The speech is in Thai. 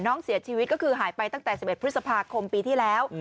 น้องเสียชีวิตก็คือหายไปตั้งแต่๑๑พฤษภาคมปีที่แล้ว